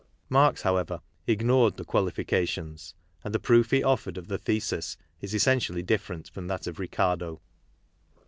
Marx, however, ignored the qualifications, and the proof he offered of the thesis is essentially different from that of Ricardo.